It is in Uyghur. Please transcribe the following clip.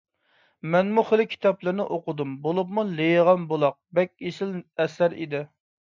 مەنمۇ خېلى كىتابلىرىنى ئوقۇدۇم، بولۇپمۇ «لېيىغان بۇلاق» بەك ئېسىل ئەسەر ئىدى.